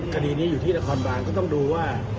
คดีนี้อยู่ที่นครบานก็ต้องดูว่า